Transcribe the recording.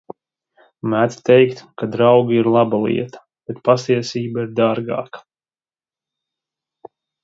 Mēdz teikt, ka draugi ir laba lieta, bet patiesība ir dārgāka.